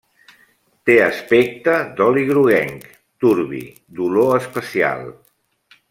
Té aspecte d'oli groguenc, torbi, d'olor especial.